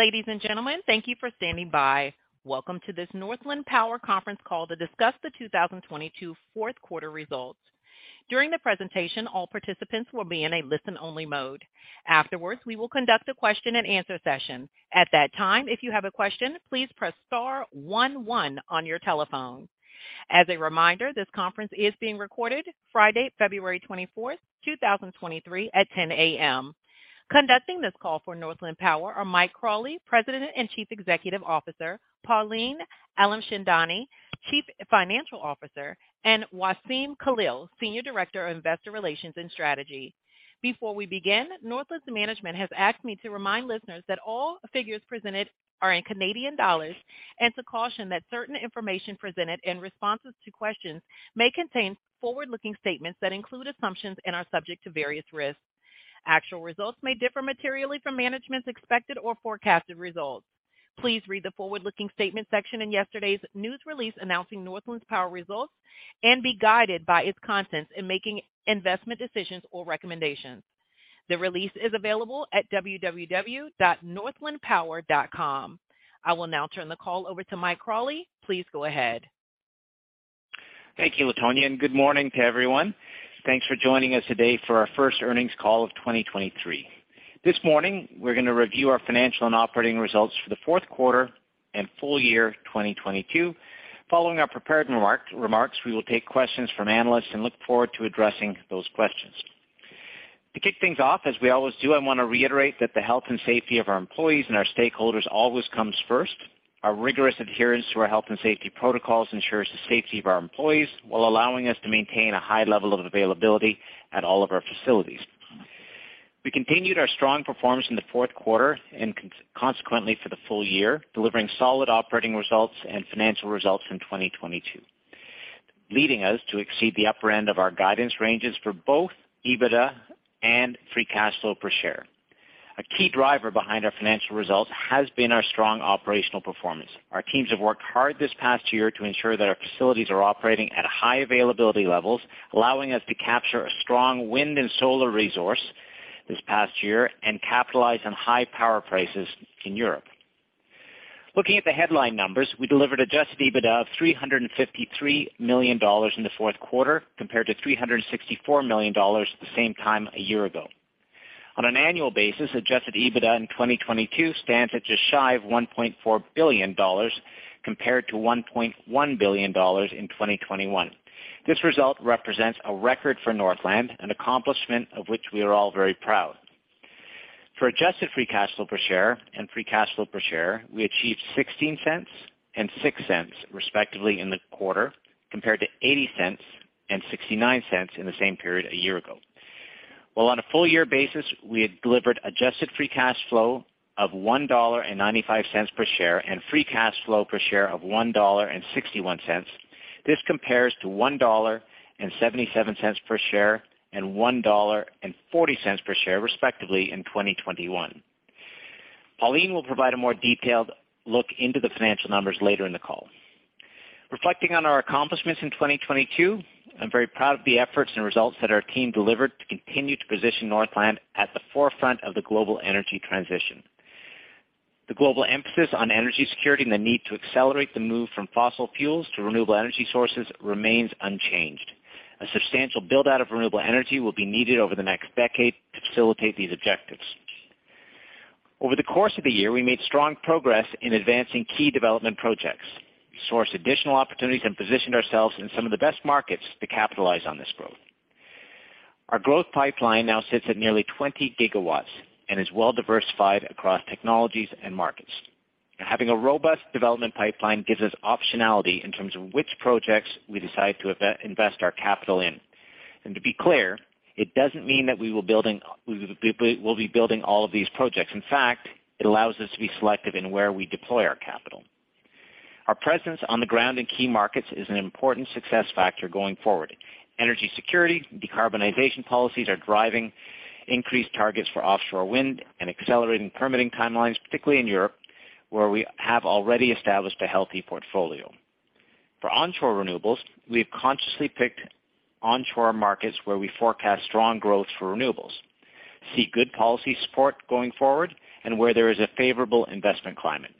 Ladies and gentlemen, thank you for standing by. Welcome to this Northland Power conference call to discuss the 2022 fourth quarter results. During the presentation, all participants will be in a listen-only mode. Afterwards, we will conduct a question-and-answer session. At that time, if you have a question, please press star one one on your telephone. As a reminder, this conference is being recorded Friday, February 24th, 2023 at 10:00 A.M. Conducting this call for Northland Power are Mike Crawley, President and Chief Executive Officer, Pauline Alimchandani, Chief Financial Officer, and Wassim Khalil, Senior Director of Investor Relations and Strategy. Before we begin, Northland's management has asked me to remind listeners that all figures presented are in Canadian dollars and to caution that certain information presented in responses to questions may contain forward-looking statements that include assumptions and are subject to various risks. Actual results may differ materially from management's expected or forecasted results. Please read the forward-looking statement section in yesterday's news release announcing Northland Power's results and be guided by its contents in making investment decisions or recommendations. The release is available at www.northlandpower.com. I will now turn the call over to Mike Crawley. Please go ahead. Thank you, Latonia, and good morning to everyone. Thanks for joining us today for our first earnings call of 2023. This morning, we're gonna review our financial and operating results for the fourth quarter and full year 2022. Following our prepared remarks, we will take questions from analysts and look forward to addressing those questions. To kick things off as we always do, I want to reiterate that the health and safety of our employees and our stakeholders always comes first. Our rigorous adherence to our health and safety protocols ensures the safety of our employees while allowing us to maintain a high level of availability at all of our facilities. We continued our strong performance in the fourth quarter and consequently for the full year, delivering solid operating results and financial results in 2022, leading us to exceed the upper end of our guidance ranges for both EBITDA and free cash flow per share. A key driver behind our financial results has been our strong operational performance. Our teams have worked hard this past year to ensure that our facilities are operating at high availability levels, allowing us to capture a strong wind and solar resource this past year and capitalize on high power prices in Europe. Looking at the headline numbers, we delivered adjusted EBITDA of 353 million dollars in the fourth quarter compared to 364 million dollars the same time a year ago. On an annual basis, adjusted EBITDA in 2022 stands at just shy of 1.4 billion dollars compared to 1.1 billion dollars in 2021. This result represents a record for Northland, an accomplishment of which we are all very proud. For adjusted free cash flow per share and free cash flow per share, we achieved 0.16 and 0.06, respectively, in the quarter, compared to 0.80 and 0.69 in the same period a year ago. While on a full year basis, we had delivered adjusted free cash flow of 1.95 dollar per share and free cash flow per share of 1.61 dollar. This compares to 1.77 dollar per share and 1.40 dollar per share, respectively in 2021. Pauline will provide a more detailed look into the financial numbers later in the call. Reflecting on our accomplishments in 2022, I'm very proud of the efforts and results that our team delivered to continue to position Northland at the forefront of the global energy transition. The global emphasis on energy security and the need to accelerate the move from fossil fuels to renewable energy sources remains unchanged. A substantial build-out of renewable energy will be needed over the next decade to facilitate these objectives. Over the course of the year, we made strong progress in advancing key development projects. We sourced additional opportunities and positioned ourselves in some of the best markets to capitalize on this growth. Our growth pipeline now sits at nearly 20 GW and is well diversified across technologies and markets. Having a robust development pipeline gives us optionality in terms of which projects we decide to invest our capital in. To be clear, it doesn't mean that we will be building all of these projects. In fact, it allows us to be selective in where we deploy our capital. Our presence on the ground in key markets is an important success factor going forward. Energy security, decarbonization policies are driving increased targets for offshore wind and accelerating permitting timelines, particularly in Europe, where we have already established a healthy portfolio. For onshore renewables, we have consciously picked onshore markets where we forecast strong growth for renewables, see good policy support going forward, and where there is a favorable investment climate.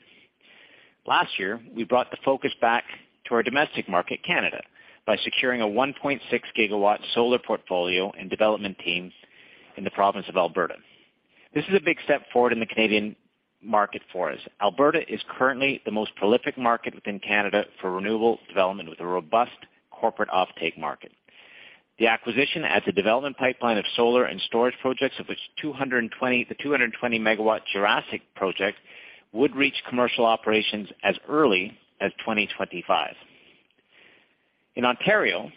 Last year, we brought the focus back to our domestic market, Canada, by securing a 1.6 GW solar portfolio and development teams in the province of Alberta. This is a big step forward in the Canadian market for us. Alberta is currently the most prolific market within Canada for renewable development with a robust corporate offtake market. The acquisition adds a development pipeline of solar and storage projects, the 220 MW Jurassic Project would reach commercial operations as early as 2025. In Ontario,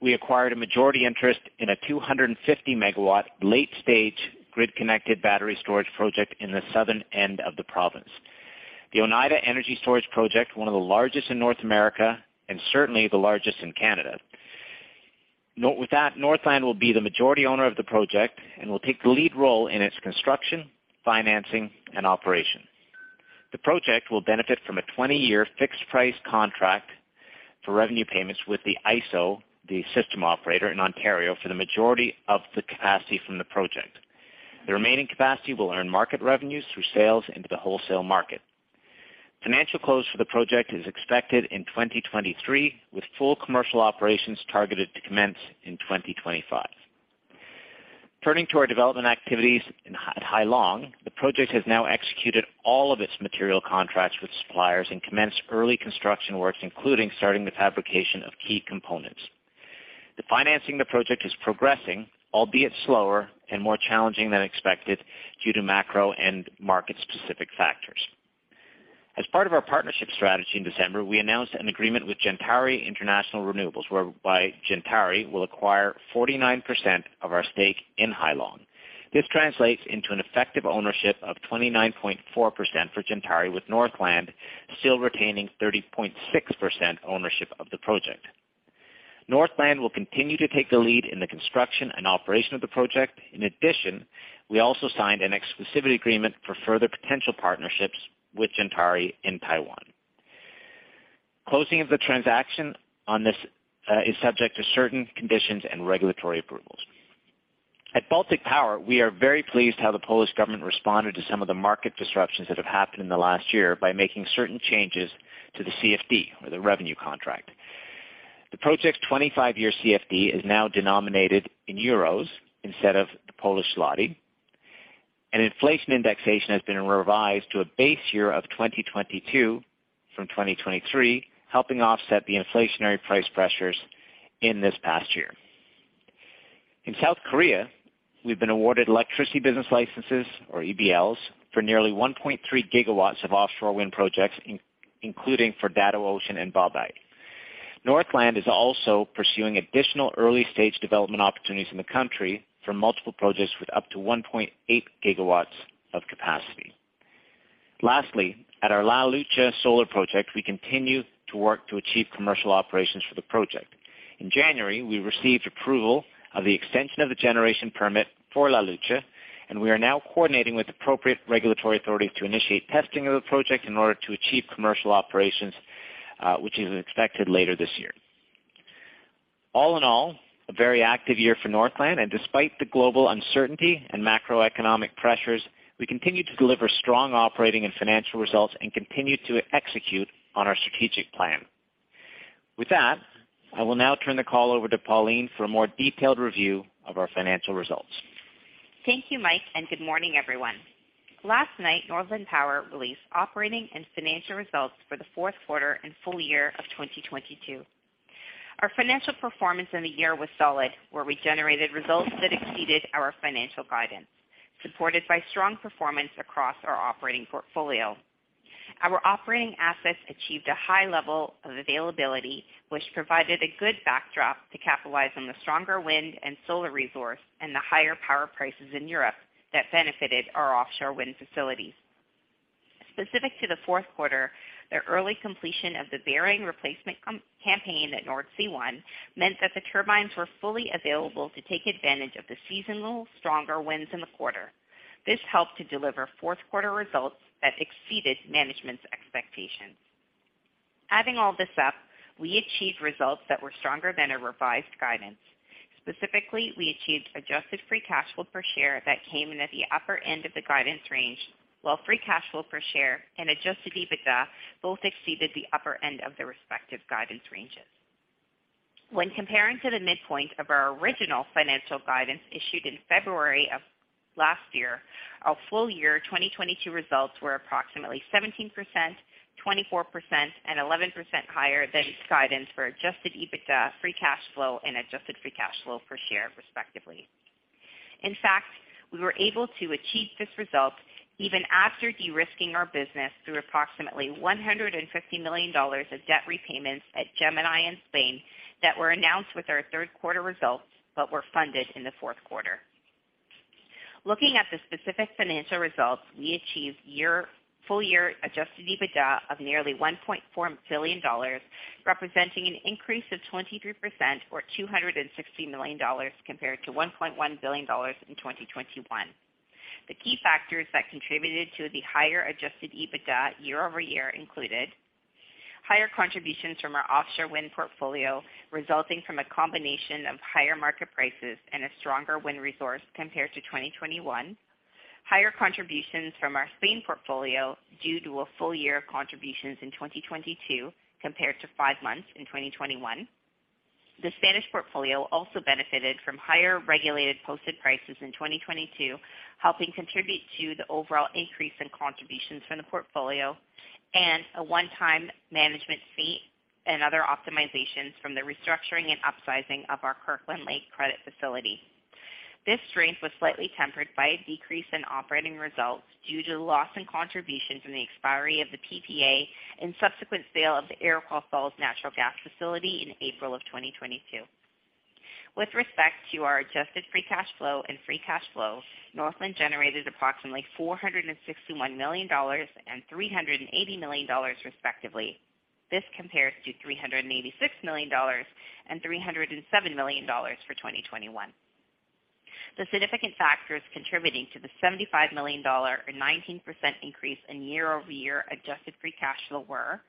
we acquired a majority interest in a 250 MW late-stage grid-connected battery storage project in the southern end of the province. The Oneida Energy Storage Project, one of the largest in North America, and certainly the largest in Canada. With that, Northland will be the majority owner of the project and will take the lead role in its construction, financing, and operation. The project will benefit from a 20-year fixed price contract for revenue payments with the ISO, the system operator in Ontario for the majority of the capacity from the project. The remaining capacity will earn market revenues through sales into the wholesale market. Financial close for the project is expected in 2023, with full commercial operations targeted to commence in 2025. Turning to our development activities at Hai Long. The project has now executed all of its material contracts with suppliers and commenced early construction works, including starting the fabrication of key components. The financing of the project is progressing, albeit slower and more challenging than expected, due to macro and market-specific factors. As part of our partnership strategy in December, we announced an agreement with Gentari International Renewables, whereby Gentari will acquire 49% of our stake in Hai Long. This translates into an effective ownership of 29.4% for Gentari, with Northland still retaining 30.6% ownership of the project. Northland will continue to take the lead in the construction and operation of the project. We also signed an exclusivity agreement for further potential partnerships with Gentari in Taiwan. Closing of the transaction on this is subject to certain conditions and regulatory approvals. At Baltic Power, we are very pleased how the Polish government responded to some of the market disruptions that have happened in the last year by making certain changes to the CFD or the revenue contract. The project's 25 year CFD is now denominated in euros instead of the Polish zloty. Inflation indexation has been revised to a base year of 2022 from 2023, helping offset the inflationary price pressures in this past year. In South Korea, we've been awarded electricity business licenses, or EBLS, for nearly 1.3 GW of offshore wind projects, including for Dado Ocean and Bobae. Northland is also pursuing additional early-stage development opportunities in the country for multiple projects with up to 1.8 GW of capacity. Lastly, at our La Luz solar project, we continue to work to achieve commercial operations for the project. In January, we received approval of the extension of the generation permit for La Luz, and we are now coordinating with appropriate regulatory authorities to initiate testing of the project in order to achieve commercial operations, which is expected later this year. All in all, a very active year for Northland, and despite the global uncertainty and macroeconomic pressures, we continue to deliver strong operating and financial results and continue to execute on our strategic plan. With that, I will now turn the call over to Pauline for a more detailed review of our financial results. Thank you, Mike. Good morning, everyone. Last night, Northland Power released operating and financial results for the fourth quarter and full year of 2022. Our financial performance in the year was solid, where we generated results that exceeded our financial guidance, supported by strong performance across our operating portfolio. Our operating assets achieved a high level of availability, which provided a good backdrop to capitalize on the stronger wind and solar resource and the higher power prices in Europe that benefited our offshore wind facilities. Specific to the fourth quarter, the early completion of the bearing replacement campaign at Nordsee One meant that the turbines were fully available to take advantage of the seasonal stronger winds in the quarter. This helped to deliver fourth quarter results that exceeded management's expectations. Adding all this up, we achieved results that were stronger than our revised guidance. Specifically, we achieved adjusted free cash flow per share that came in at the upper end of the guidance range, while free cash flow per share and adjusted EBITDA both exceeded the upper end of the respective guidance ranges. When comparing to the midpoint of our original financial guidance issued in February of last year, our full year 2022 results were approximately 17%, 24%, and 11% higher than its guidance for adjusted EBITDA, free cash flow, and adjusted free cash flow per share, respectively. In fact, we were able to achieve this result even after de-risking our business through approximately 150 million dollars of debt repayments at Gemini and Spain that were announced with our third quarter results, but were funded in the fourth quarter. Looking at the specific financial results, we achieved full-year adjusted EBITDA of nearly $1.4 billion, representing an increase of 23% or $260 million compared to $1.1 billion in 2021. The key factors that contributed to the higher adjusted EBITDA year-over-year included higher contributions from our offshore wind portfolio, resulting from a combination of higher market prices and a stronger wind resource compared to 2021. Higher contributions from our Spain portfolio due to a full year of contributions in 2022 compared to five months in 2021. The Spanish portfolio also benefited from higher regulated posted prices in 2022, helping contribute to the overall increase in contributions from the portfolio and a one-time management fee and other optimizations from the restructuring and upsizing of our Kirkland Lake credit facility. This strength was slightly tempered by a decrease in operating results due to the loss in contributions from the expiry of the PPA and subsequent sale of the Iroquois Falls Natural Gas facility in April of 2022. With respect to our adjusted free cash flow and free cash flow, Northland generated approximately 461 million dollars and 380 million dollars, respectively. This compares to 386 million dollars and 307 million dollars for 2021. The significant factors contributing to the 75 million dollar or 19% increase in year-over-year adjusted free cash flow were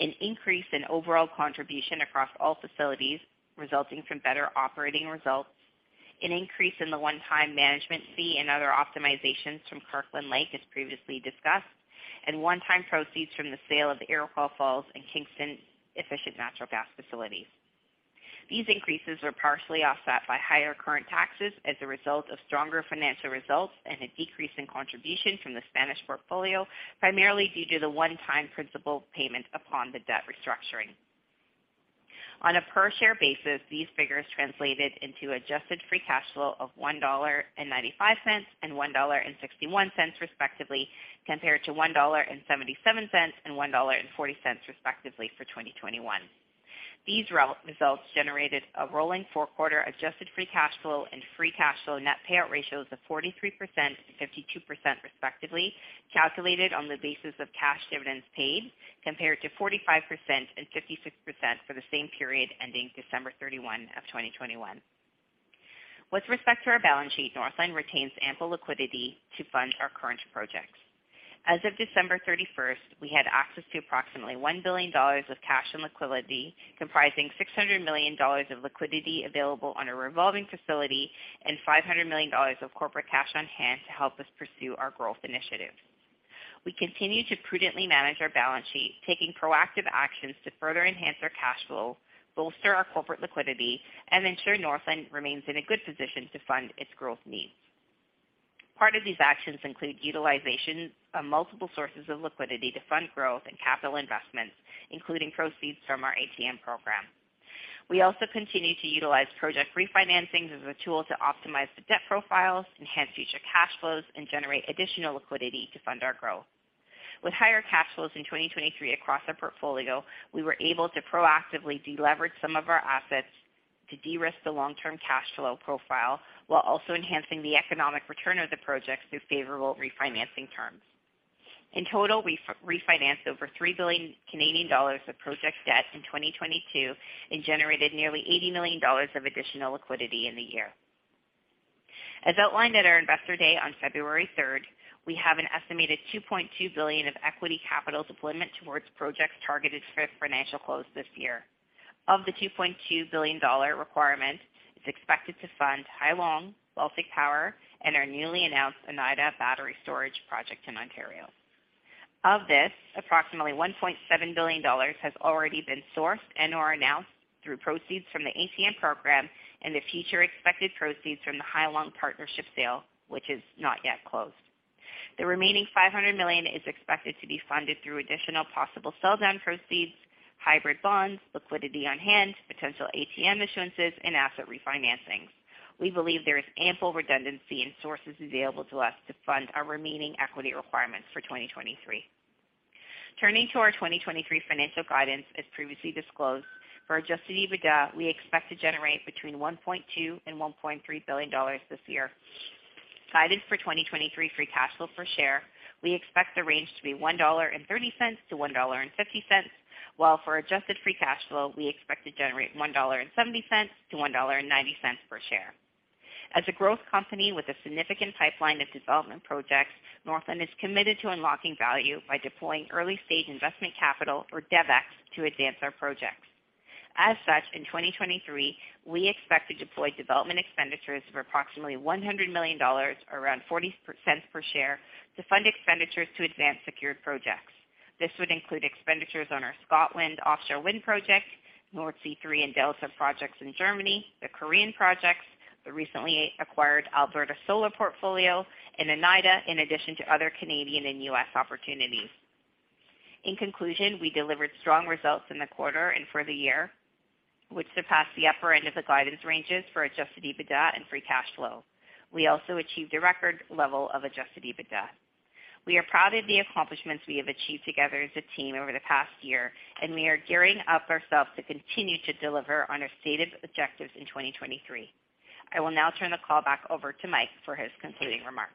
an increase in overall contribution across all facilities resulting from better operating results, an increase in the one-time management fee and other optimizations from Kirkland Lake, as previously discussed, and one-time proceeds from the sale of the Iroquois Falls and Kingston efficient natural gas facilities. These increases were partially offset by higher current taxes as a result of stronger financial results and a decrease in contribution from the Spanish portfolio, primarily due to the one-time principal payment upon the debt restructuring. On a per share basis, these figures translated into adjusted free cash flow of $1.95 and $1.61, respectively, compared to $1.77 and $1.40, respectively, for 2021. These results generated a rolling four-quarter adjusted free cash flow and free cash flow net payout ratios of 43% and 52%, respectively, calculated on the basis of cash dividends paid compared to 45% and 56% for the same period ending December 31 of 2021. With respect to our balance sheet, Northland retains ample liquidity to fund our current projects. As of December 31st, we had access to approximately 1 billion dollars of cash and liquidity, comprising 600 million dollars of liquidity available on a revolving facility and 500 million dollars of corporate cash on hand to help us pursue our growth initiatives. We continue to prudently manage our balance sheet, taking proactive actions to further enhance our cash flow, bolster our corporate liquidity, and ensure Northland remains in a good position to fund its growth needs. Part of these actions include utilization of multiple sources of liquidity to fund growth and capital investments, including proceeds from our ATM program. We also continue to utilize project refinancings as a tool to optimize the debt profiles, enhance future cash flows, and generate additional liquidity to fund our growth. With higher cash flows in 2023 across our portfolio, we were able to proactively deleverage some of our assets to de-risk the long-term cash flow profile while also enhancing the economic return of the projects through favorable refinancing terms. In total, we refinanced over 3 billion Canadian dollars of project debt in 2022 and generated nearly 80 million dollars of additional liquidity in the year. As outlined at our Investor Day on February 3rd, we have an estimated 2.2 billion of equity capital deployment towards projects targeted for financial close this year. Of the 2.2 billion dollar requirement, it's expected to fund Hai Long, Baltic Power, and our newly announced Oneida battery storage project in Ontario. Of this, approximately 1.7 billion dollars has already been sourced and/or announced through proceeds from the ATM program and the future expected proceeds from the Hai Long partnership sale, which is not yet closed. The remaining $500 million is expected to be funded through additional possible sell-down proceeds, hybrid bonds, liquidity on hand, potential ATM issuances, and asset refinancings. We believe there is ample redundancy in sources available to us to fund our remaining equity requirements for 2023. Turning to our 2023 financial guidance, as previously disclosed, for adjusted EBITDA, we expect to generate between $1.2 billion and $1.3 billion this year. Guided for 2023 free cash flow per share, we expect the range to be $1.30-$1.50, while for adjusted free cash flow, we expect to generate $1.70-$1.90 per share. As a growth company with a significant pipeline of development projects, Northland is committed to unlocking value by deploying early-stage investment capital or DevEx to advance our projects. As such, in 2023, we expect to deploy development expenditures of approximately $100 million or around $0.40 per share to fund expenditures to advance secured projects. This would include expenditures on our Scotland offshore wind project, Nordsee Three and Delta projects in Germany, the Korean projects, the recently acquired Alberta solar portfolio, and Oneida, in addition to other Canadian and U.S. opportunities. In conclusion, we delivered strong results in the quarter and for the year, which surpassed the upper end of the guidance ranges for adjusted EBITDA and free cash flow. We also achieved a record level of adjusted EBITDA. We are proud of the accomplishments we have achieved together as a team over the past year, we are gearing up ourselves to continue to deliver on our stated objectives in 2023. I will now turn the call back over to Mike for his concluding remarks.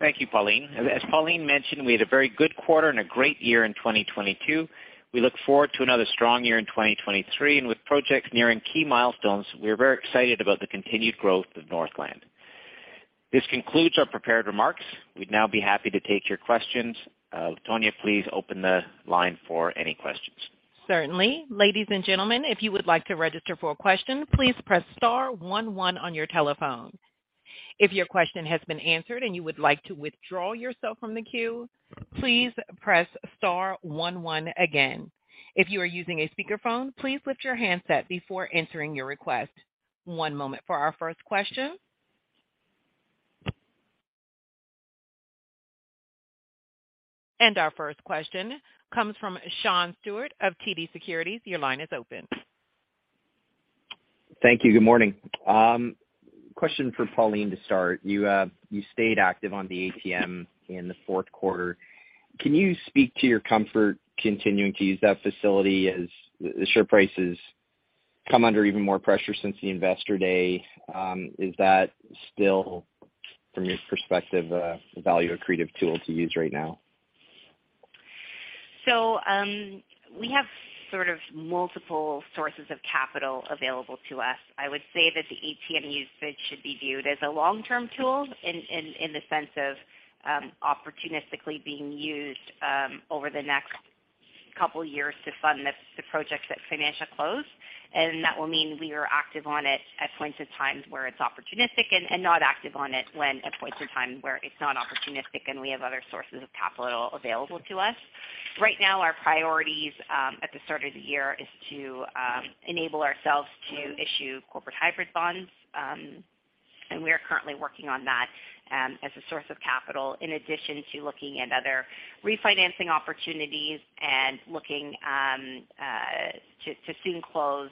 Thank you, Pauline. As Pauline mentioned, we had a very good quarter and a great year in 2022. We look forward to another strong year in 2023. With projects nearing key milestones, we are very excited about the continued growth of Northland. This concludes our prepared remarks. We'd now be happy to take your questions. Latonia, please open the line for any questions. Certainly. Ladies and gentlemen, if you would like to register for a question, please press star one one on your telephone. If your question has been answered and you would like to withdraw yourself from the queue, please press star one one again. If you are using a speakerphone, please lift your handset before entering your request. One moment for our first question. Our first question comes from Sean Steuart of TD Securities. Your line is open. Thank you. Good morning. Question for Pauline to start. You, you stayed active on the ATM in the fourth quarter. Can you speak to your comfort continuing to use that facility as the share price has come under even more pressure since the Investor Day? Is that still, from your perspective, a value-accretive tool to use right now? We have sort of multiple sources of capital available to us. I would say that the ATM usage should be viewed as a long-term tool in the sense of opportunistically being used over the next couple years to fund the projects that Financial closed. That will mean we are active on it at points in times where it's opportunistic and not active on it when at points in time where it's not opportunistic, and we have other sources of capital available to us. Right now our priorities at the start of the year is to enable ourselves to issue corporate hybrid bonds. We are currently working on that as a source of capital in addition to looking at other refinancing opportunities and looking to soon close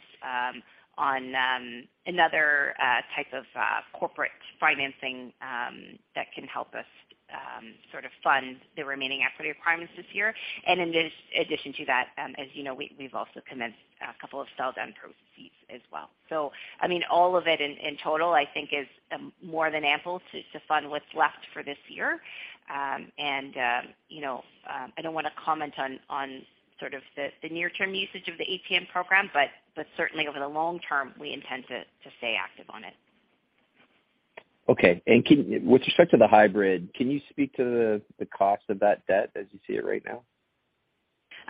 on another type of corporate financing that can help us sort of fund the remaining equity requirements this year. In this addition to that, as you know, we've also commenced a couple of sell down proceeds as well. I mean, all of it in total, I think is more than ample to fund what's left for this year. You know, I don't wanna comment on sort of the near term usage of the ATM program, but certainly over the long term we intend to stay active on it. Okay. With respect to the hybrid, can you speak to the cost of that debt as you see it right now?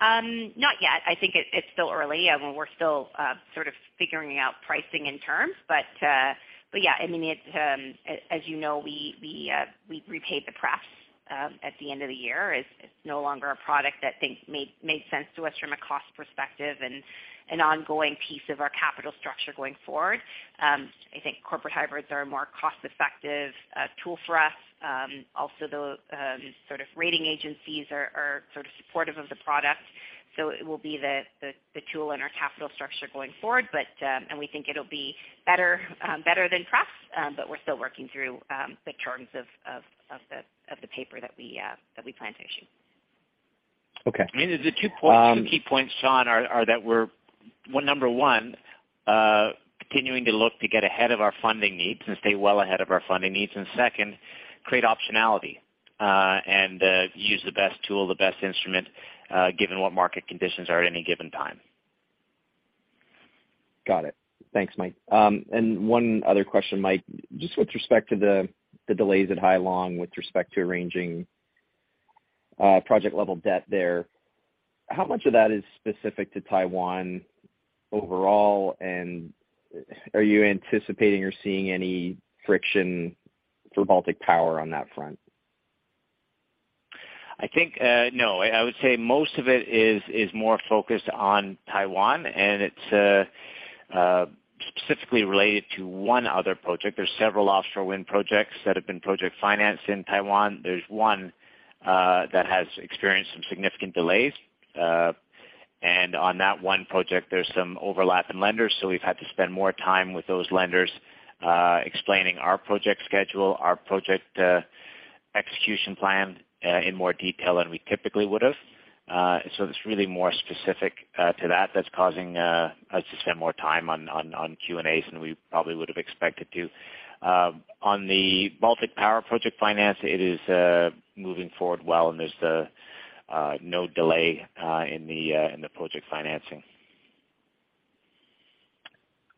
Not yet. I think it's still early, and we're still sort of figuring out pricing and terms. Yeah, I mean, it's, as you know, we repaid the pref at the end of the year. It's no longer a product that made sense to us from a cost perspective and an ongoing piece of our capital structure going forward. I think corporate hybrids are a more cost effective tool for us. The sort of rating agencies are sort of supportive of the product, so it will be the tool in our capital structure going forward. We think it'll be better than pref. We're still working through the terms of the paper that we plan to issue. Okay. I mean, the key points, Sean, are that we're number one, continuing to look to get ahead of our funding needs and stay well ahead of our funding needs. Second, create optionality, and use the best tool, the best instrument, given what market conditions are at any given time. Got it. Thanks, Mike. One other question, Mike. Just with respect to the delays at Hai Long with respect to arranging, project-level debt there, how much of that is specific to Taiwan overall, and are you anticipating or seeing any friction for Baltic Power on that front? I think, no. I would say most of it is more focused on Taiwan and it's specifically related to one other project. There's several offshore wind projects that have been project financed in Taiwan. There's one that has experienced some significant delays. On that one project, there's some overlap in lenders, so we've had to spend more time with those lenders, explaining our project schedule, our project execution plan, in more detail than we typically would've. It's really more specific to that that's causing us to spend more time on Q&As than we probably would've expected to. On the Baltic Power project finance, it is moving forward well, and there's no delay in the project financing.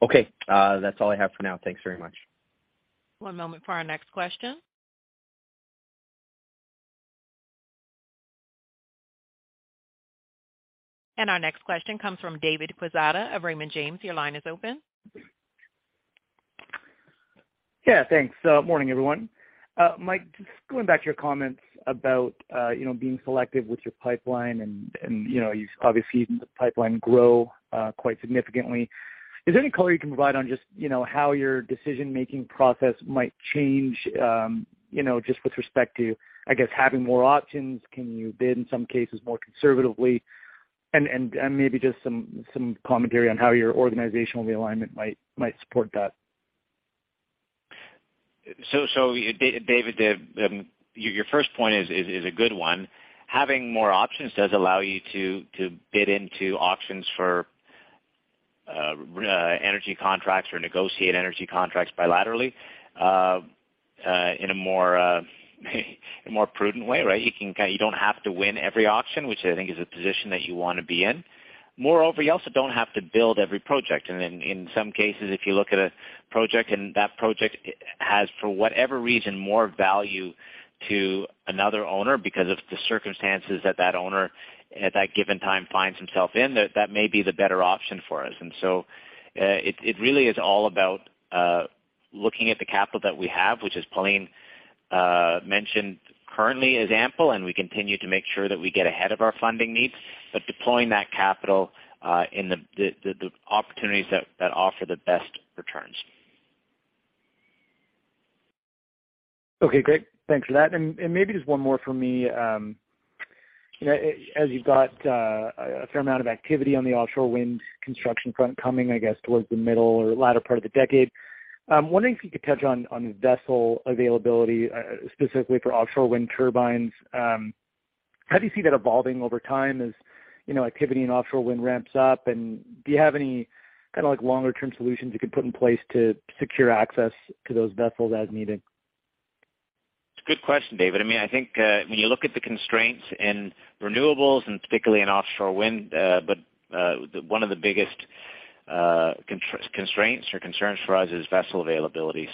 Okay. That's all I have for now. Thanks very much. One moment for our next question. Our next question comes from David Quezada of Raymond James. Your line is open. Yeah, thanks. Morning, everyone. Mike, just going back to your comments about, you know, being selective with your pipeline and you know, you've obviously seen the pipeline grow, quite significantly. Is there any color you can provide on just, you know, how your decision-making process might change, you know, just with respect to, I guess, having more options? Can you bid in some cases more conservatively? Maybe just some commentary on how your organizational realignment might support that? David, the, your first point is a good one. Having more options does allow you to bid into auctions for energy contracts or negotiate energy contracts bilaterally in a more prudent way, right? You don't have to win every auction, which I think is a position that you wanna be in. Moreover, you also don't have to build every project. In some cases, if you look at a project and that project has, for whatever reason, more value to another owner because of the circumstances that that owner at that given time finds himself in, that may be the better option for us. It really is all about looking at the capital that we have, which as Pauline mentioned currently is ample, and we continue to make sure that we get ahead of our funding needs, but deploying that capital in the opportunities that offer the best returns. Okay, great. Thanks for that. Maybe just one more for me. You know, as you've got a fair amount of activity on the offshore wind construction front coming, I guess, towards the middle or latter part of the decade, I'm wondering if you could touch on vessel availability, specifically for offshore wind turbines. How do you see that evolving over time as, you know, activity in offshore wind ramps up, and do you have any kinda like longer term solutions you could put in place to secure access to those vessels as needed? It's a good question, David. I mean, I think, when you look at the constraints in renewables and particularly in offshore wind, but one of the biggest constraints or concerns for us is vessel availability.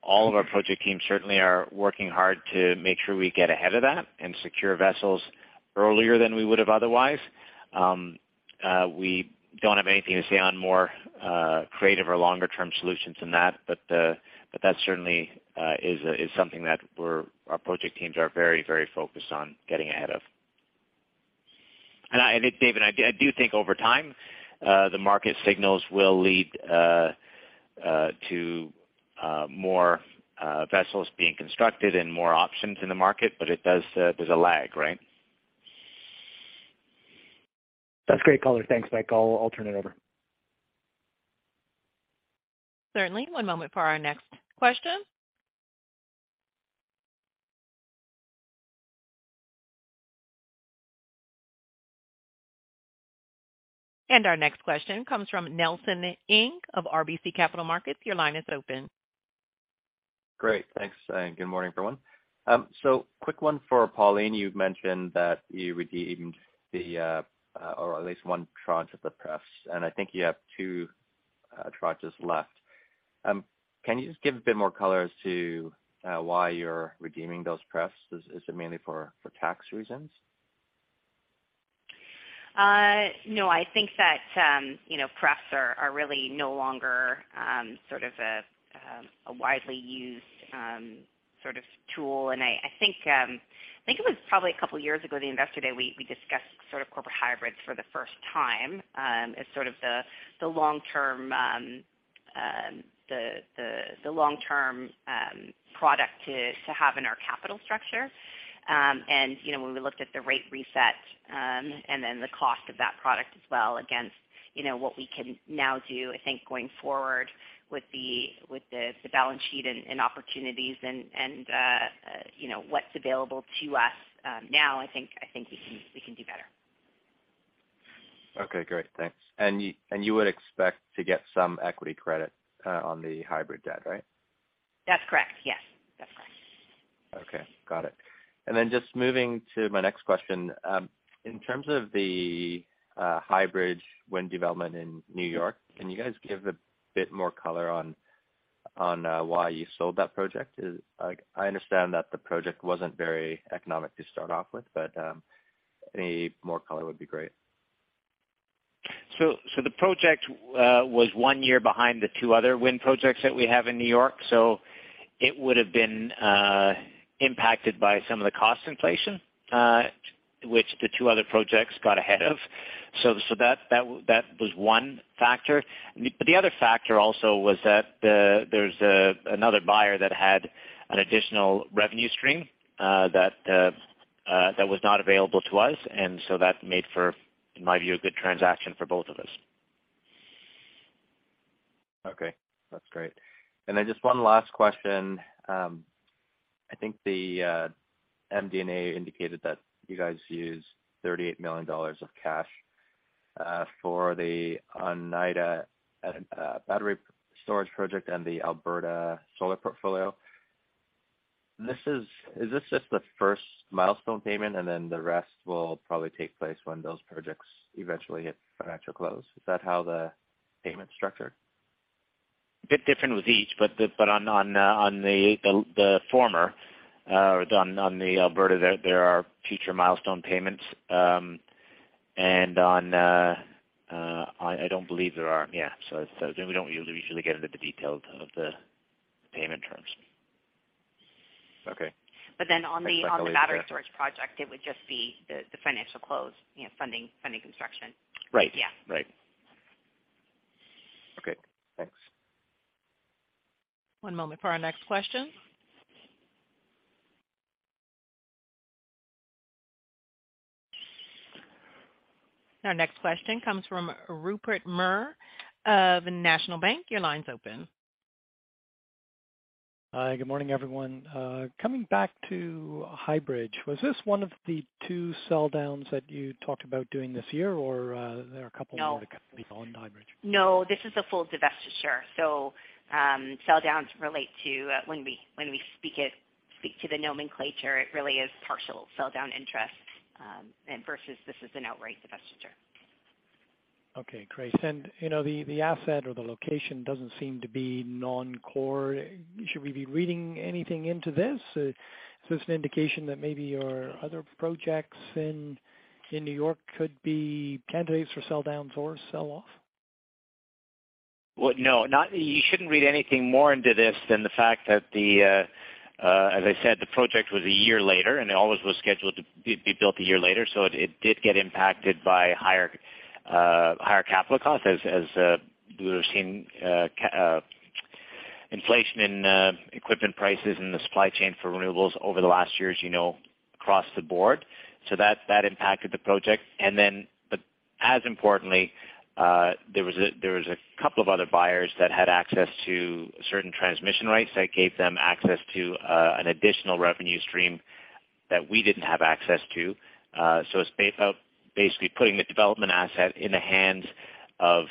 All of our project teams certainly are working hard to make sure we get ahead of that and secure vessels earlier than we would have otherwise. We don't have anything to say on more creative or longer-term solutions than that, but that certainly is something that our project teams are very, very focused on getting ahead of. David, I do think over time, the market signals will lead to more vessels being constructed and more options in the market, but it does, there's a lag, right? That's great color. Thanks, Mike. I'll turn it over. Certainly. One moment for our next question. Our next question comes from Nelson Ng of RBC Capital Markets. Your line is open. Great. Thanks, and good morning, everyone. Quick one for Pauline. You've mentioned that you redeemed the, or at least one tranche of the pref, and I think you have two tranches left. Can you just give a bit more color as to why you're redeeming those pref? Is it mainly for tax reasons? No, I think that, you know, pref are really no longer sort of a widely used sort of tool. I think two years ago, the investor day we discussed sort of corporate hybrids for the first time as sort of the long-term product to have in our capital structure. You know, when we looked at the rate reset, and then the cost of that product as well against, you know, what we can now do, I think going forward with the balance sheet and opportunities and, you know, what's available to us, now I think we can do better. Okay, great. Thanks. You would expect to get some equity credit on the hybrid debt, right? That's correct. Yes. That's correct. Okay. Got it. Just moving to my next question. In terms of the High Bridge wind development in New York, can you guys give a bit more color on why you sold that project? I understand that the project wasn't very economic to start off with, but any more color would be great. The project, was one year behind the two other wind projects that we have in New York, so it would have been, impacted by some of the cost inflation, which the two other projects got ahead of. That was one factor. The other factor also was that there's another buyer that had an additional revenue stream, that was not available to us. That made for, in my view, a good transaction for both of us. Okay, that's great. Just one last question. I think the MD&A indicated that you guys used 38 million dollars of cash for the Oneida battery storage project and the Alberta solar portfolio. Is this just the first milestone payment, and then the rest will probably take place when those projects eventually hit financial close? Is that how the payment is structured? A bit different with each, but on the former, on the Alberta, there are future milestone payments. On, I don't believe there are. We don't usually get into the details of the payment terms. Okay. On the battery storage project, it would just be the financial close, you know, funding construction. Right. Yeah. Right. Okay. Thanks. One moment for our next question. Our next question comes from Rupert Merer of National Bank. Your line's open. Hi, good morning, everyone. Coming back to High Bridge, was this one of the two sell downs that you talked about doing this year or, there are a couple more? No. Beyond High Bridge? No, this is a full divestiture. Sell downs relate to when we speak to the nomenclature, it really is partial sell down interest, and versus this is an outright divestiture. Okay, great. You know, the asset or the location doesn't seem to be non-core. Should we be reading anything into this? Is this an indication that maybe your other projects in New York could be candidates for sell downs or sell off? Well, no, you shouldn't read anything more into this than the fact that the, as I said, the project was a year later, and it always was scheduled to be built a year later. It did get impacted by higher capital costs as we were seeing inflation in equipment prices in the supply chain for renewables over the last years, you know, across the board. That impacted the project. As importantly, there was a couple of other buyers that had access to certain transmission rights that gave them access to an additional revenue stream that we didn't have access to. It's about basically putting the development asset in the hands of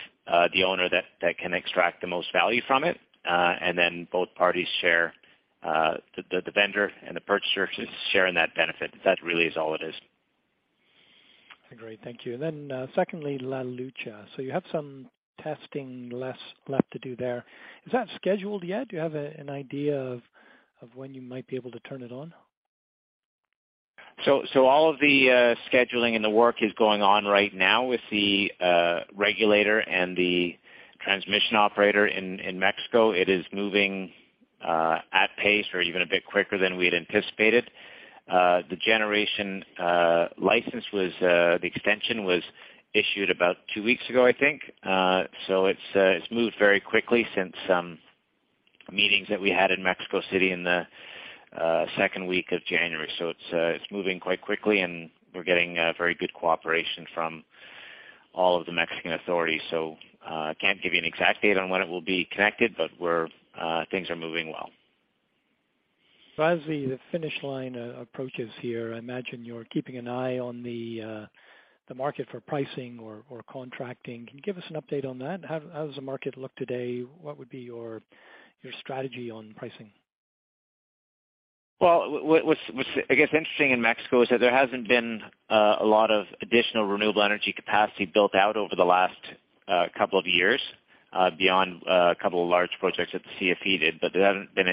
the owner that can extract the most value from it. Then both parties share, the vendor and the purchaser share in that benefit. That really is all it is. Great. Thank you. Secondly, La Luz. You have some testing left to do there. Is that scheduled yet? Do you have an idea of when you might be able to turn it on? All of the scheduling and the work is going on right now with the regulator and the transmission operator in Mexico. It is moving at pace or even a bit quicker than we had anticipated. The generation license was the extension was issued about two weeks ago, I think. It's moved very quickly since some meetings that we had in Mexico City in the second week of January. It's moving quite quickly, and we're getting very good cooperation from all of the Mexican authorities. Can't give you an exact date on when it will be connected, but we're things are moving well. As the finish line approaches here, I imagine you're keeping an eye on the market for pricing or contracting. Can you give us an update on that? How does the market look today? What would be your strategy on pricing? Well, what's, I guess, interesting in Mexico is that there hasn't been a lot of additional renewable energy capacity built out over the last couple of years, beyond a couple of large projects that the CFE did. There haven't been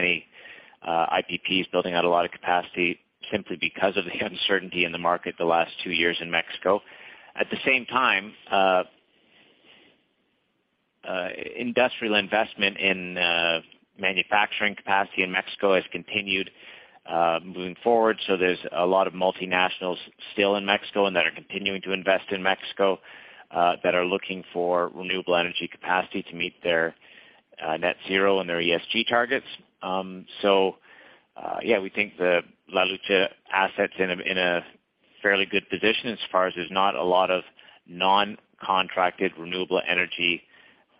any IPPs building out a lot of capacity simply because of the uncertainty in the market the last two years in Mexico. At the same time, industrial investment in manufacturing capacity in Mexico has continued moving forward. There's a lot of multinationals still in Mexico and that are continuing to invest in Mexico that are looking for renewable energy capacity to meet their net zero and their ESG targets. Yeah, we think the La Luz asset's in a fairly good position as far as there's not a lot of non-contracted renewable energy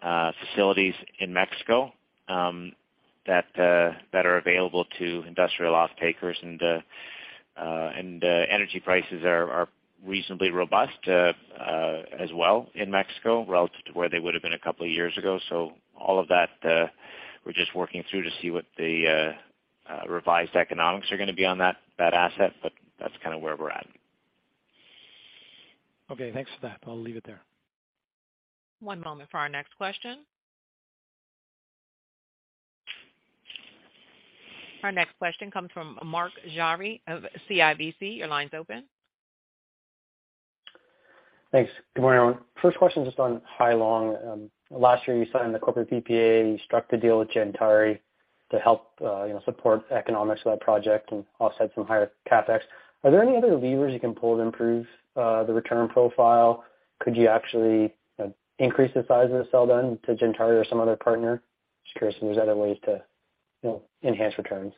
facilities in Mexico that are available to industrial off-takers. Energy prices are reasonably robust as well in Mexico relative to where they would have been a couple of years ago. All of that, we're just working through to see what the revised economics are gonna be on that asset, but that's kind of where we're at. Okay, thanks for that. I'll leave it there. One moment for our next question. Our next question comes from Mark Jarvi of CIBC. Your line's open. Thanks. Good morning, all. First question, just on Hai Long. Last year, you signed the corporate PPA, you struck the deal with Gentari to help, you know, support economics of that project and offset some higher CapEx. Are there any other levers you can pull to improve the return profile? Could you actually, you know, increase the size of the sell-down to Gentari or some other partner? Just curious if there's other ways to, you know, enhance returns.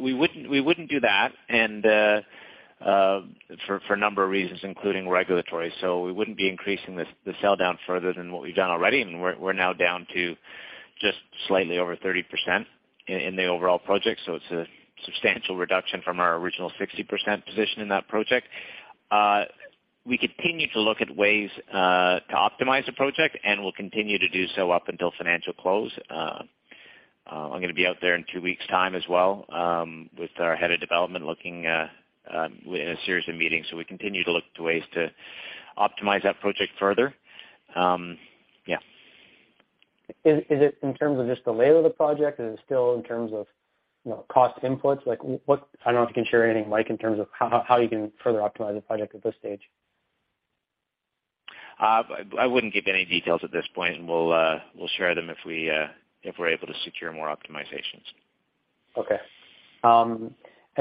We wouldn't, we wouldn't do that, and a number of reasons, including regulatory. We wouldn't be increasing the sell down further than what we've done already, and we're now down to just slightly over 30% in the overall project. It's a substantial reduction from our original 60% position in that project. We continue to look at ways to optimize the project, and we'll continue to do so up until financial close. I'm gonna be out there in two weeks' time as well, with our head of development, looking in a series of meetings. We continue to look to ways to optimize that project further. Yeah. Is it in terms of just the layout of the project? Is it still in terms of, you know, cost inputs? Like what I don't know if you can share anything, Mike, in terms of how you can further optimize the project at this stage. I wouldn't give you any details at this point, and we'll share them if we if we're able to secure more optimizations.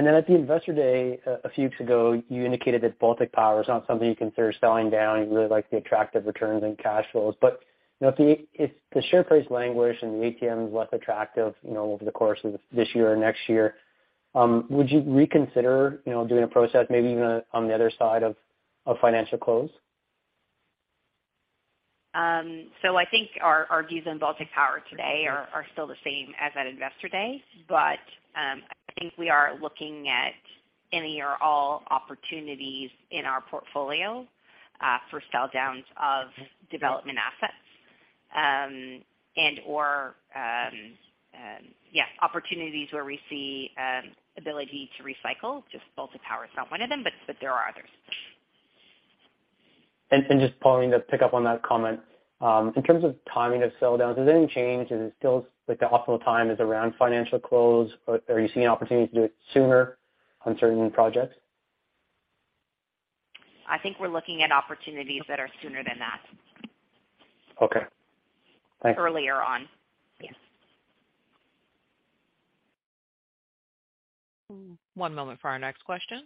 At the Investor Day a few weeks ago, you indicated that Baltic Power is not something you consider selling down. You really like the attractive returns and cash flows. You know, if the share price languish and the ATM is less attractive, you know, over the course of this year or next year, would you reconsider, you know, doing a process maybe even on the other side of financial close? I think our views on Baltic Power today are still the same as at Investor Day. I think we are looking at any or all opportunities in our portfolio for sell downs of development assets. And/or, yeah, opportunities where we see ability to recycle, just Baltic Power is not one of them, but there are others. Just following to pick up on that comment. In terms of timing of sell downs, has anything changed? Is it still like the optimal time is around financial close or, are you seeing opportunities to do it sooner on certain projects? I think we're looking at opportunities that are sooner than that. Okay. Thanks. Earlier on. Yeah. One moment for our next question.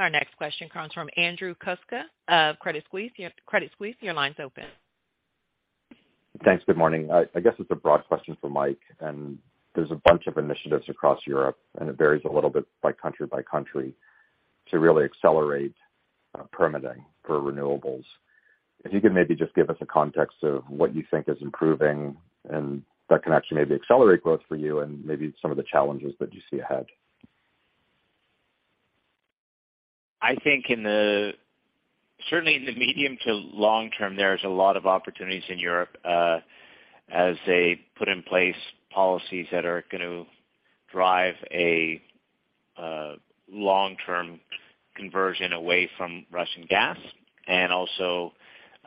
Our next question comes from Andrew Kuske of Credit Suisse. Credit Suisse, your line's open. Thanks. Good morning. I guess it's a broad question for Mike. There's a bunch of initiatives across Europe. It varies a little bit by country by country to really accelerate permitting for renewables. If you could maybe just give us a context of what you think is improving and that can actually maybe accelerate growth for you and maybe some of the challenges that you see ahead? I think certainly in the medium to long term, there's a lot of opportunities in Europe, as they put in place policies that are gonna drive a long-term conversion away from Russian gas and also,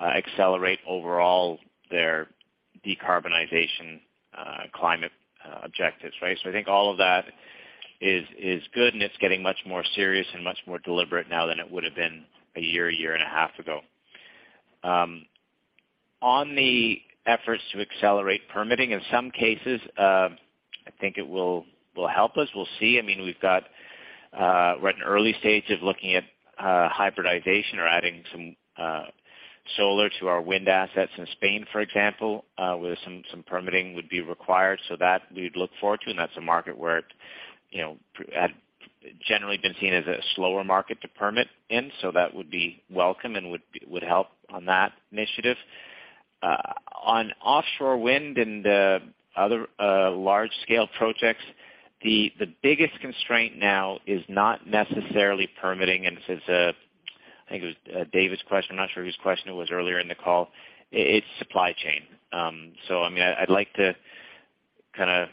accelerate overall their decarbonization, climate objectives, right? I think all of that is good, and it's getting much more serious and much more deliberate now than it would have been a year and a half ago. On the efforts to accelerate permitting, in some cases, I think it will help us. We'll see. I mean, we're at an early stage of looking at hybridization or adding some solar to our wind assets in Spain, for example, where some permitting would be required. That we would look forward to, and that's a market where, you know, generally been seen as a slower market to permit in. That would be welcome and would help on that initiative. On offshore wind and other large-scale projects, the biggest constraint now is not necessarily permitting, and this is, I think it was David's question, I'm not sure whose question it was earlier in the call. It's supply chain. I mean, I'd like to kinda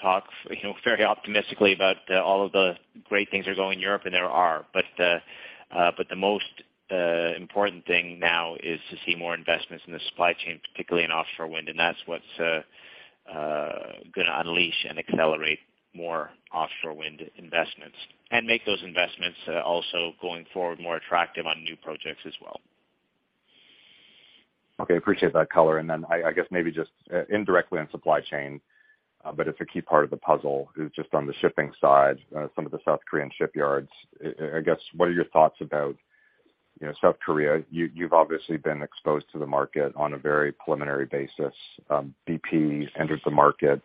talk, you know, very optimistically about all of the great things that are going in Europe, and there are. The most important thing now is to see more investments in the supply chain, particularly in offshore wind, and that's what's gonna unleash and accelerate more offshore wind investments and make those investments also going forward more attractive on new projects as well. Okay. Appreciate that color. I guess maybe just indirectly on supply chain, but it's a key part of the puzzle, is just on the shipping side, some of the South Korean shipyards. I guess, what are your thoughts about, you know, South Korea? You've obviously been exposed to the market on a very preliminary basis. bp entered the market,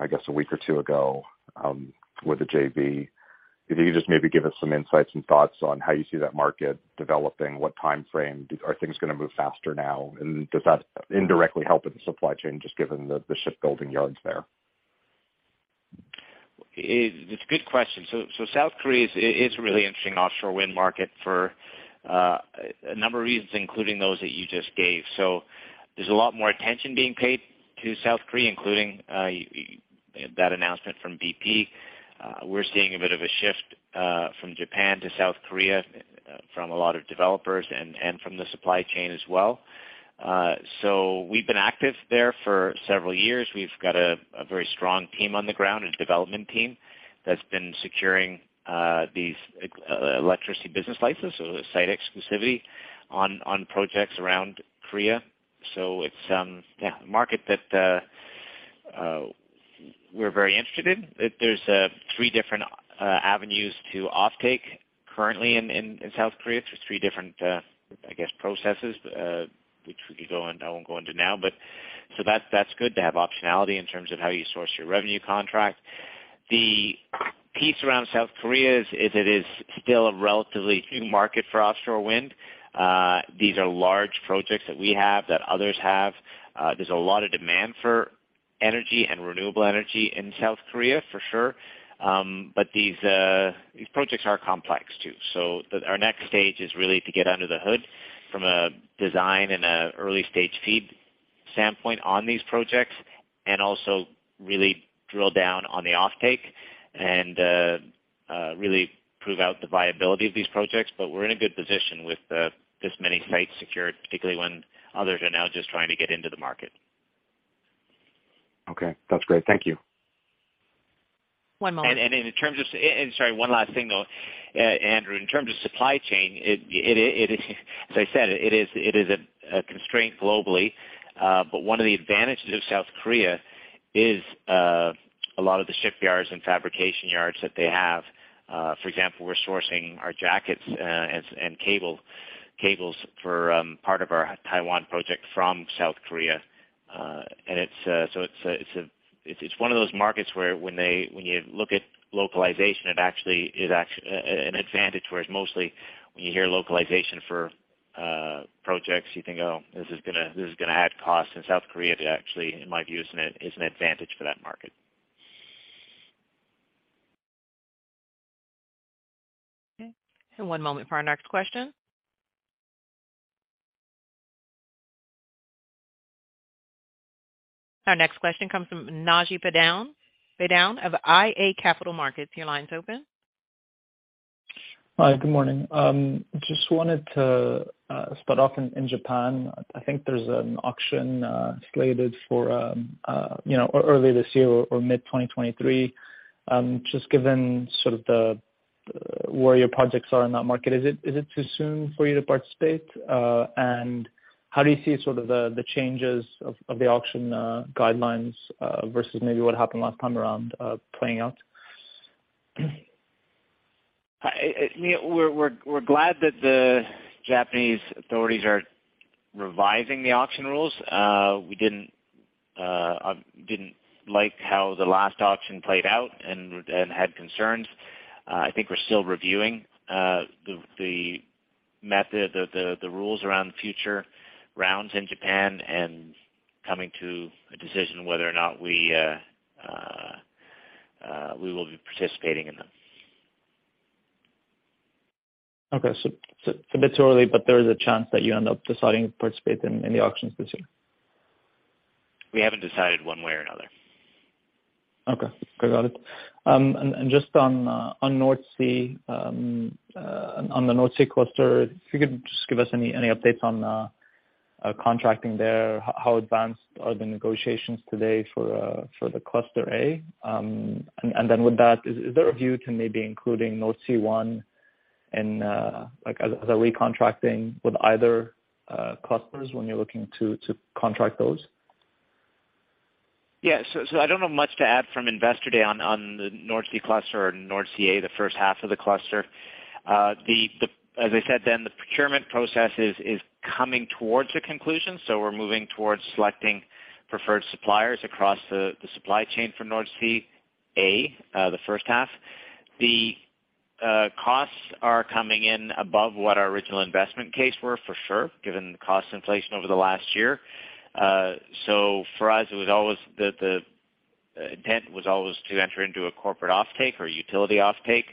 I guess, a week or two ago, with a JV. If you could just maybe give us some insights and thoughts on how you see that market developing, what timeframe? Are things gonna move faster now? Does that indirectly help with the supply chain, just given the shipbuilding yards there? It's a good question. South Korea is a really interesting offshore wind market for a number of reasons, including those that you just gave. There's a lot more attention being paid to South Korea, including that announcement from bp. We're seeing a bit of a shift from Japan to South Korea from a lot of developers and from the supply chain as well. We've been active there for several years. We've got a very strong team on the ground, a development team that's been securing these electricity business licenses, site exclusivity on projects around Korea. It's, yeah, a market that we're very interested in. There's three different avenues to offtake currently in South Korea. There's three different, I guess, processes, which we could go into... I won't go into now, but so that's good to have optionality in terms of how you source your revenue contract. The piece around South Korea is it is still a relatively new market for offshore wind. These are large projects that we have, that others have. There's a lot of demand for energy and renewable energy in South Korea for sure. These, these projects are complex too. Our next stage is really to get under the hood from a design and a early-stage FEED standpoint on these projects, and also really drill down on the offtake and, really prove out the viability of these projects. We're in a good position with this many sites secured, particularly when others are now just trying to get into the market. Okay. That's great. Thank you. One moment. Sorry, one last thing, though, Andrew. In terms of supply chain, as I said, it is a constraint globally. One of the advantages of South Korea is a lot of the shipyards and fabrication yards that they have. For example, we're sourcing our jackets and cable, cables for part of our Taiwan project from South Korea. It's one of those markets where when you look at localization, it actually is an advantage. Whereas mostly when you hear localization for projects, you think, "Oh, this is gonna add cost." In South Korea, it actually, in my view, is an advantage for that market. Okay. One moment for our next question. Our next question comes from Naji Baydoun of iA Capital Markets. Your line's open. Hi. Good morning. Just wanted to start off in Japan. I think there's an auction slated for, you know, earlier this year or mid-2023. Just given sort of the, where your projects are in that market, is it too soon for you to participate? How do you see sort of the changes of the auction, guidelines, versus maybe what happened last time around, playing out? We're glad that the Japanese authorities revising the auction rules. We didn't like how the last auction played out and had concerns. I think we're still reviewing the method, the rules around future rounds in Japan and coming to a decision whether or not we will be participating in them. So a bit early, but there is a chance that you end up deciding to participate in the auctions this year. We haven't decided one way or another. Okay. Got it. Just on Nordsee, on the Nordsee cluster, if you could just give us any updates on contracting there. How advanced are the negotiations today for the Cluster A? With that, is there a view to maybe including Nordsee One in like as a recontracting with either clusters when you're looking to contract those? I don't know much to add from Investor Day on the North Sea Cluster or North Sea A, the first half of the cluster. As I said then, the procurement process is coming towards a conclusion, we're moving towards selecting preferred suppliers across the supply chain for North Sea A, the first half. The costs are coming in above what our original investment case were for sure, given the cost inflation over the last year. For us, it was always the intent was always to enter into a corporate offtake or utility offtake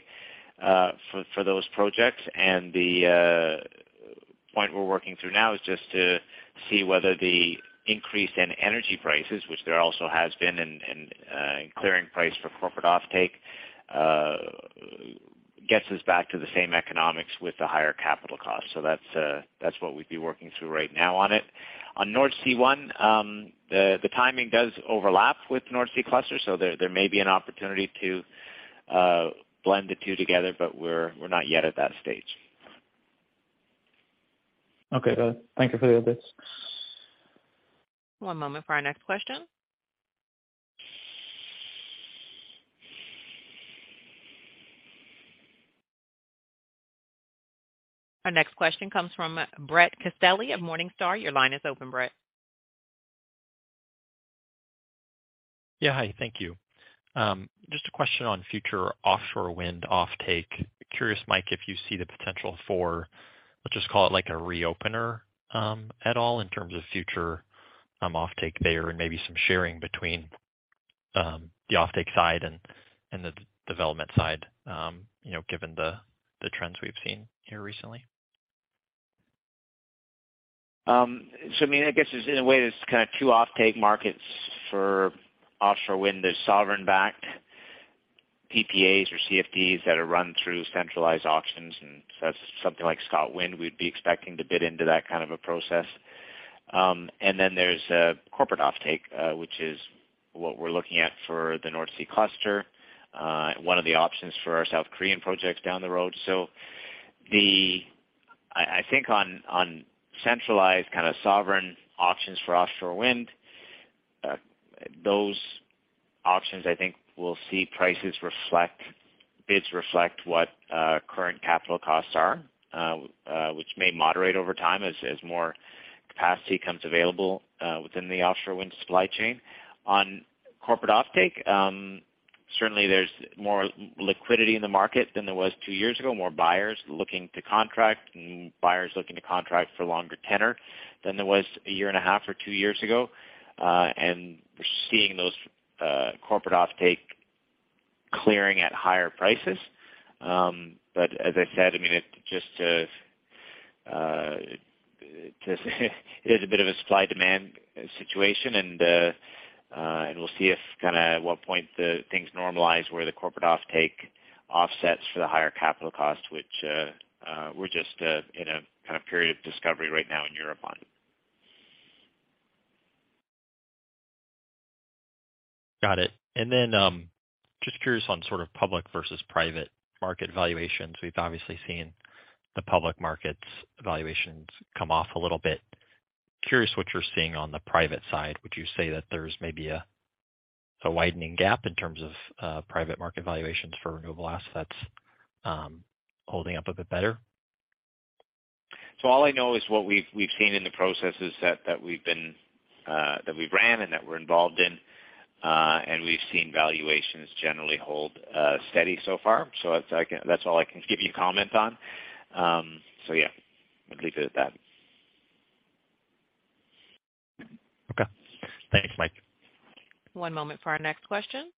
for those projects. The point we're working through now is just to see whether the increase in energy prices, which there also has been, and in clearing price for corporate offtake, gets us back to the same economics with the higher capital costs. That's what we'd be working through right now on it. On Nordsee One, the timing does overlap with North Sea Cluster, so there may be an opportunity to blend the two together, but we're not yet at that stage. Okay. Got it. Thank you for the updates. One moment for our next question. Our next question comes from Brett Castelli at Morningstar. Your line is open, Brett. Yeah. Hi, thank you. Just a question on future offshore wind offtake. Curious, Mike, if you see the potential for, let's just call it like a reopener, at all in terms of future offtake there and maybe some sharing between the offtake side and the development side, you know, given the trends we've seen here recently? I mean, I guess in a way there's kinda two offtake markets for offshore wind. There's sovereign-backed PPAs or CFDs that are run through centralized auctions. That's something like ScotWind. We'd be expecting to bid into that kind of a process. And then there's corporate offtake, which is what we're looking at for the North Sea Cluster, one of the options for our South Korean projects down the road. I think on centralized kinda sovereign auctions for offshore wind, those auctions I think will see prices reflect, bids reflect what current capital costs are, which may moderate over time as more capacity comes available within the offshore wind supply chain. On corporate offtake, certainly there's more liquidity in the market than there was two years ago, more buyers looking to contract and buyers looking to contract for longer tenor than there was a year and a half or two years ago. We're seeing those corporate offtake clearing at higher prices. As I said, I mean, it just it is a bit of a supply-demand situation. We'll see if kinda at what point the things normalize, where the corporate offtake offsets for the higher capital cost, which we're just in a kind of period of discovery right now in Europe on. Got it. Just curious on sort of public versus private market valuations. We've obviously seen the public markets valuations come off a little bit. Curious what you're seeing on the private side. Would you say that there's maybe a widening gap in terms of private market valuations for renewable assets holding up a bit better? All I know is what we've seen in the processes that we've been that we ran and that we're involved in. We've seen valuations generally hold steady so far. That's like, that's all I can give you comment on. Yeah, I'd leave it at that. Okay. Thanks, Mike. One moment for our next question.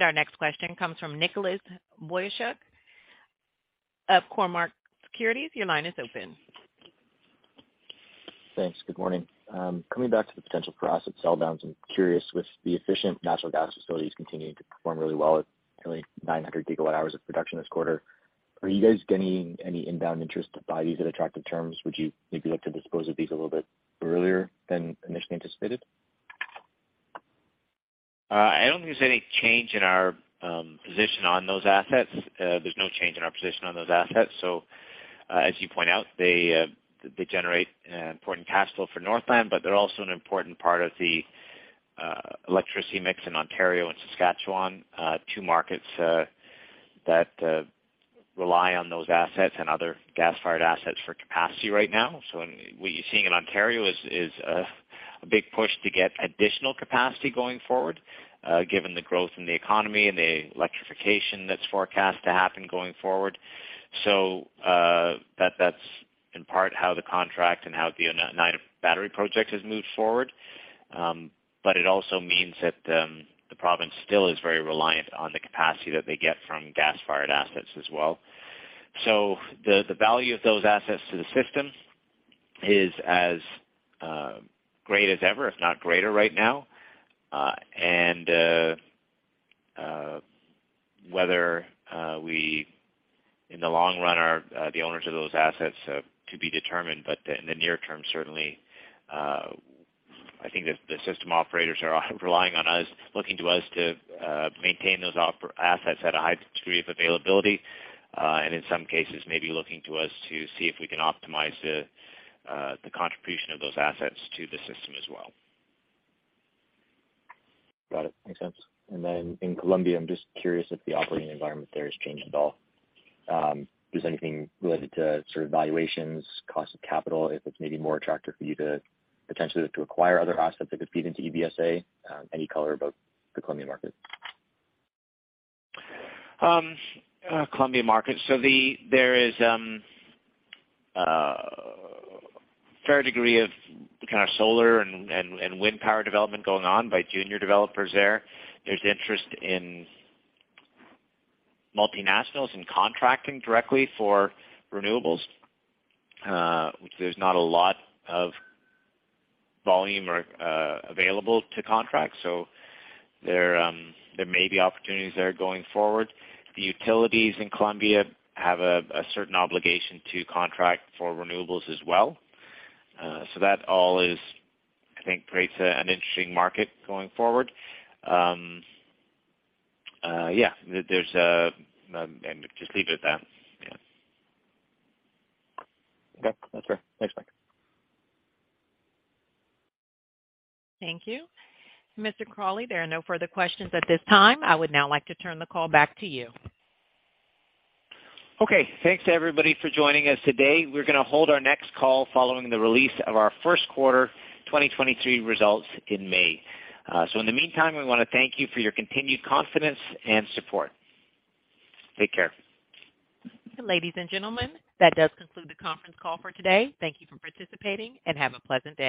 Our next question comes from Nicholas Boychuk of Cormark Securities. Your line is open. Thanks. Good morning. Coming back to the potential for asset sell downs, I'm curious with the efficient natural gas facilities continuing to perform really well at nearly 900 GW hours of production this quarter, are you guys getting any inbound interest to buy these at attractive terms? Would you maybe look to dispose of these a little bit earlier than initially anticipated? I don't think there's any change in our position on those assets. There's no change in our position on those assets. As you point out, they generate important cash flow for Northland, but they're also an important part of the electricity mix in Ontario and Saskatchewan, two markets that rely on those assets and other gas-fired assets for capacity right now. What you're seeing in Ontario is a big push to get additional capacity going forward, given the growth in the economy and the electrification that's forecast to happen going forward. That's in part how the contract and how the Oneida Battery Project has moved forward. It also means that the province still is very reliant on the capacity that they get from gas-fired assets as well. The, the value of those assets to the system is as great as ever, if not greater right now. Whether we in the long run are the owners of those assets to be determined, but in the near term, certainly, I think the system operators are relying on us, looking to us to maintain those assets at a high degree of availability. In some cases, maybe looking to us to see if we can optimize the contribution of those assets to the system as well. Got it. Makes sense. In Colombia, I'm just curious if the operating environment there has changed at all. There's anything related to sort of valuations, cost of capital, if it's maybe more attractive for you to potentially to acquire other assets that could feed into EBSA, any color about the Colombian market. Colombian market. There is a fair degree of kind of solar and wind power development going on by junior developers there. There's interest in multinationals and contracting directly for renewables, which there's not a lot of volume or available to contract. There, there may be opportunities there going forward. The utilities in Colombia have a certain obligation to contract for renewables as well. That all is, I think creates an interesting market going forward. Yeah, there's. Just leave it at that. Yeah. Okay. That's fair. Thanks, Mike. Thank you. Mr. Crawley, there are no further questions at this time. I would now like to turn the call back to you. Okay. Thanks to everybody for joining us today. We're gonna hold our next call following the release of our first quarter 2023 results in May. In the meantime, we wanna thank you for your continued confidence and support. Take care. Ladies and gentlemen, that does conclude the conference call for today. Thank you for participating and have a pleasant day.